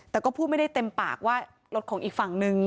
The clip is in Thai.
แต่ก็พูดไม่ได้เต็มปากว่ารถของอีกฝั่งนึง